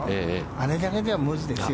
あれだけじゃ無理ですよ。